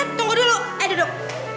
eh neth tunggu dulu eh duduk